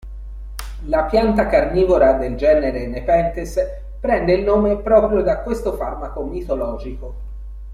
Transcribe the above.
La pianta carnivora del genere Nepenthes prende il nome proprio da questo farmaco mitologico.